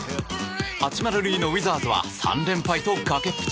八村塁のウィザーズは３連敗と崖っぷち。